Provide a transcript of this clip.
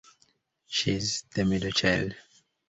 She is the middle child.